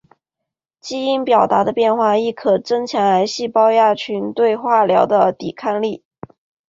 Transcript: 基因表达的变化亦可增强癌细胞亚群对化疗的抵抗力。